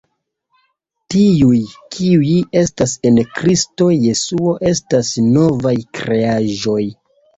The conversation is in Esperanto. Tiuj, kiuj estas en Kristo Jesuo estas novaj kreaĵoj.